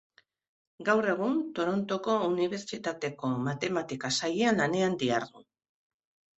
Gaur egun Torontoko Unibertsitateko matematika-sailean lanean dihardu.